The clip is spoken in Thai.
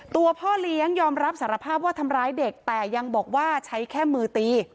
ตัวพ่อเลี้ยงยอมรับสารภาพว่าทำร้ายเด็กแต่ยังบอกว่าใช้แค่มือตี